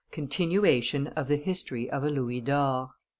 CONTINUATION OF THE HISTORY OF A LOUIS D'OR.